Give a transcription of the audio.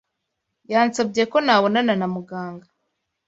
Yansabye ko nabonana na muganga.